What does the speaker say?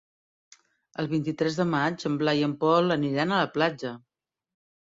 El vint-i-tres de maig en Blai i en Pol aniran a la platja.